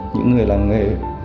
những người làm nghề